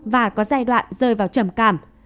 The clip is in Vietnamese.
và có giai đoạn rơi vào trầm cảm